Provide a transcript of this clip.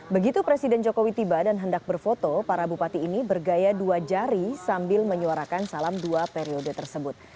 begitu presiden jokowi tiba dan hendak berfoto para bupati ini bergaya dua jari sambil menyuarakan salam dua periode tersebut